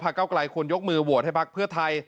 เก้าไกลควรยกมือโหวตให้พักเพื่อไทย